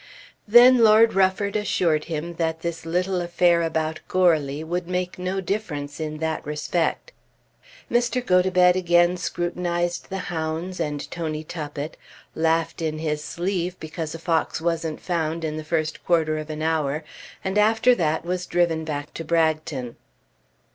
Then Lord Rufford assured him that this little affair about Goarly would make no difference in that respect. Mr. Gotobed again scrutinised the hounds and Tony Tuppett, laughed in his sleeve because a fox wasn't found in the first quarter of an hour, and after that was driven back to Bragton.